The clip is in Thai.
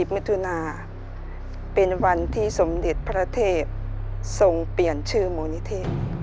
มิถุนาเป็นวันที่สมเด็จพระเทพทรงเปลี่ยนชื่อมูลนิธิ